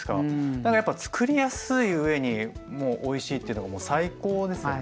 何かやっぱつくりやすい上にもうおいしいっていうのがもう最高ですよね。